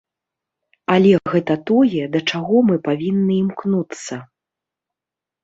Але гэта тое, да чаго мы павінны імкнуцца.